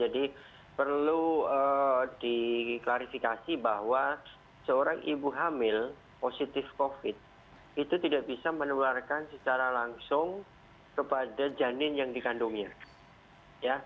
perlu diklarifikasi bahwa seorang ibu hamil positif covid itu tidak bisa menularkan secara langsung kepada janin yang dikandungnya